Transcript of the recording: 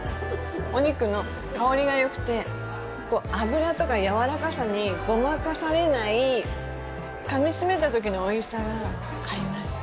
お肉の香りがよくて、脂とか、やわらかさにごまかされない、かみ締めたときのおいしさがあります。